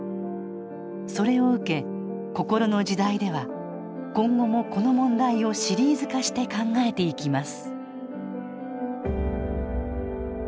それを受け「こころの時代」では今後もこの問題をシリーズ化して考えていきます